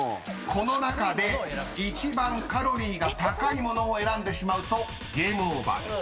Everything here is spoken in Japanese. ［この中で一番カロリーが高い物を選んでしまうとＧＡＭＥＯＶＥＲです］